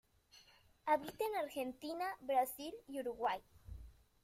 Habita en Argentina, Brasil y Uruguay.